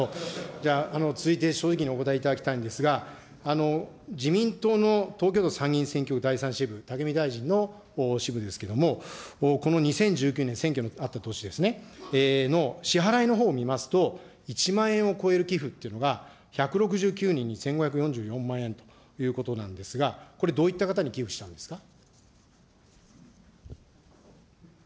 じゃあ、続いて正直にお答えいただきたいと思うんですが、自民党の東京都参議院選挙区第三支部、武見大臣の支部ですけれども、この２０１９年、選挙のあった年ですね、の、支払いのほうを見ますと、１万円を超える寄付というのが、１６９人に１５４４万円ということなんですが、これ、どういった方に寄付したんですか。